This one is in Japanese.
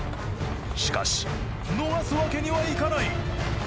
しかし逃すわけにはいかない